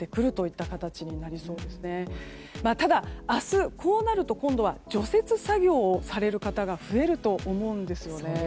ただ明日、こうなると今度は除雪作業をされる方が増えると思うんですよね。